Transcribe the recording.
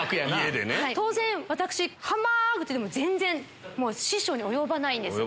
当然私ハンバーグ！って全然師匠に及ばない。